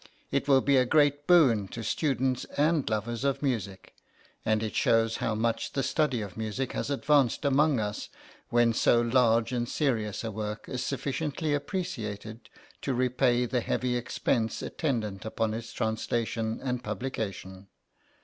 It will be a great boon to students and lovers of music, and it shows how much the study of music has advanced among us when so large and serious a work is sufficiently appreciated to repay the heavy expense attendant on its translation and publication.